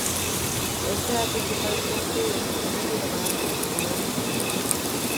Esta é a principal fonte do desequilibrio do balance da seguridade social.